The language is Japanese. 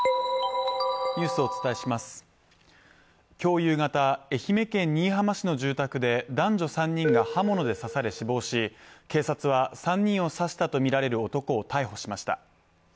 夕方、愛媛県新居浜市の住宅で男女３人が刃物で刺され死亡し、警察は、３人を刺したとみられる男を逮捕しました。